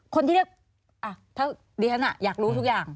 คนที่เรียกถ้าดิฉันอยากรู้ทุกอย่าง